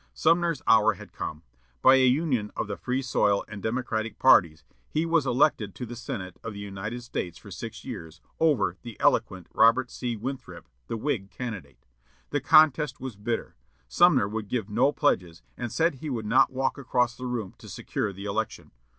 Sumner's hour had come. By a union of the Free Soil and Democratic parties, he was elected to the Senate of the United States for six years, over the eloquent Robert C. Winthrop, the Whig candidate. The contest was bitter. Sumner would give no pledges, and said he would not walk across the room to secure the election.